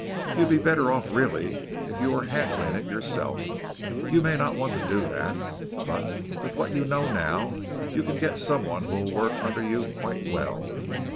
You'd be better off really if you were handling it yourself. You may not want to do that, but with what you know now you can get someone who will work under you quite well.